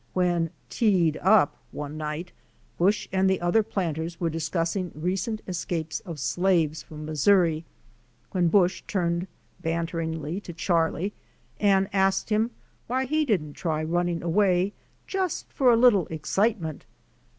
When 'Heaed up" one night Busch and the other planters were discussing recent escapes of slaves from Mis souri, when Busch turned banteringly to Charlie and asked him why he didn't try running away just for a little excite ment.